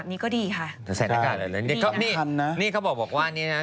นี่ก็ดีค่ะเดี๋ยวใส่หน้ากากเลยเลยนี่เขาบอกว่านี่นะ